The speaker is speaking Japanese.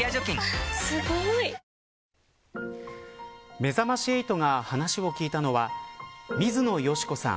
めざまし８が話を聞いたのは水野嘉子さん。